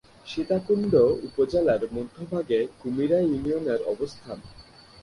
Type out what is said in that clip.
সীতাকুণ্ড উপজেলার মধ্যভাগে কুমিরা ইউনিয়নের অবস্থান।